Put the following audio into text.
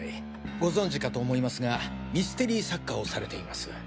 ご存じかと思いますがミステリー作家をされています。